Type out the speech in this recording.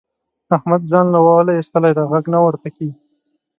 احمد ځان له اوله اېستلی دی؛ غږ نه ورته کېږي.